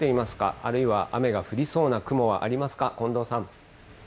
あるいは雨が降りそうな雲はありますか、近藤さん。